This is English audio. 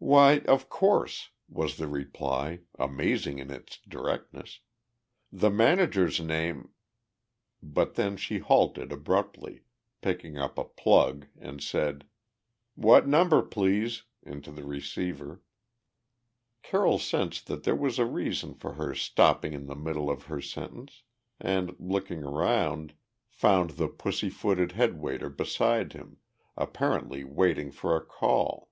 "Why, of course," was the reply, amazing in its directness. "The manager's name " But then she halted abruptly, picked up a plug, and said, "What number, please?" into the receiver. Carroll sensed that there was a reason for her stopping in the middle of her sentence and, looking around, found the pussy footed head waiter beside him, apparently waiting for a call.